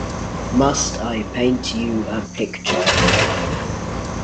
Must I Paint You a Picture?